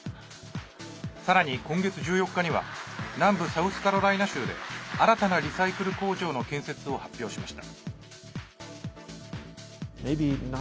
さらに今月１４日には南部サウスカロライナ州で新たなリサイクル工場の建設を発表しました。